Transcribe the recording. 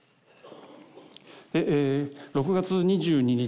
６月２２日